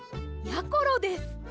やころです。